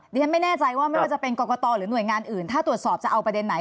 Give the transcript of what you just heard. ดิฉันไม่แน่ใจว่าไม่ว่าจะเป็นกรกตหรือหน่วยงานอื่นถ้าตรวจสอบจะเอาประเด็นไหน